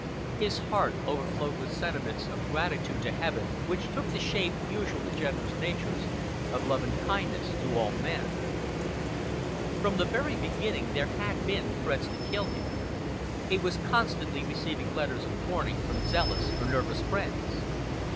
His heart overflowed with sentiments of gratitude to Heaven, which took the shape, usual to generous natures, of love and kindness to all men. From the very beginning there had been threats to kill him. He was constantly receiving letters of warning from zealous or nervous friends.